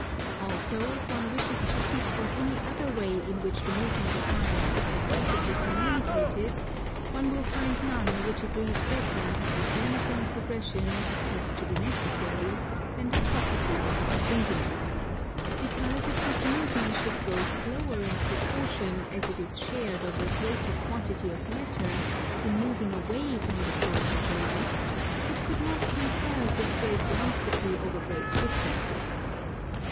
Also if one wishes to seek for any other way in which the movement of Light is successively communicated, one will find none which agrees better, with uniform progression, as seems to be necessary, than the property of springiness; because if this movement should grow slower in proportion as it is shared over a greater quantity of matter, in moving away from the source of the light, it could not conserve this great velocity over great distances.